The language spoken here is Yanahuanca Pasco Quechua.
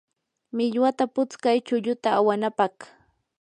millwata putskay chulluta awanapaq.